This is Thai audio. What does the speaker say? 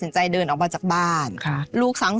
ใช่ค่ะ